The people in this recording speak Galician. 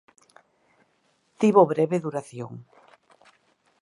Tivo breve duración.